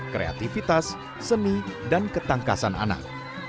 kreativitas seni dan ketangkasan anak